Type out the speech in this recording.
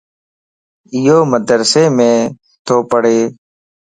ايو مدرسيم تو پڙھه